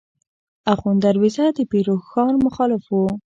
آخوند دروېزه د پیر روښان مخالف و.